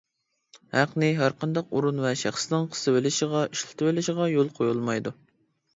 ھەقنى ھەرقانداق ئورۇن ۋە شەخسنىڭ قىسىۋېلىشىغا، ئىشلىتىۋېلىشىغا يول قويۇلمايدۇ.